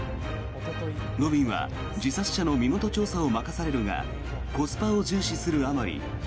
路敏は自殺者の身元調査を任されるがコスパを重視するあまり。